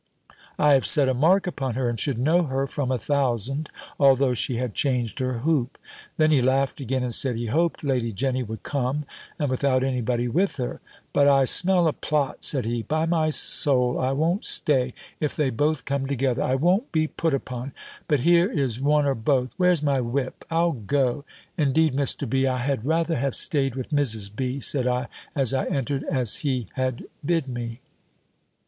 I have set a mark upon her, and should know her from a thousand, although she had changed her hoop." Then he laughed again, and said, he hoped Lady Jenny would come and without any body with her "But I smell a plot," said he "By my soul I won't stay, if they both come together. I won't be put upon But here is one or both Where's my whip? I'll go." "Indeed, Mr. B., I had rather have staid with Mrs. B.," said I, as I entered, as he had bid me.